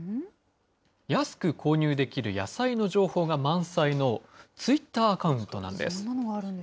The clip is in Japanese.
安く購入できる野菜の情報が満載のツイッターアカウントなんです。